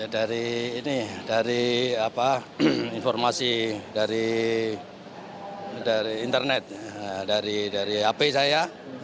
dari informasi dari internet dari hp saya